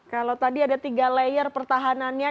kalau tadi ada tiga layer pertahanannya